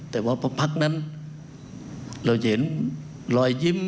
แต่ว่าพอพักนั้นเราจะเห็นรอยยิ้ม